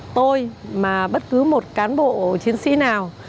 tôi mà bất cứ một cán bộ chiến sĩ nào